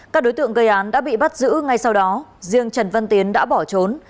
các đối tượng gây án đã bị bắt giữ ngay sau đó riêng trần văn tiến đã bỏ trốn